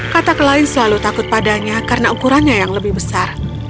katak lain selalu takut padanya karena ukurannya yang lebih besar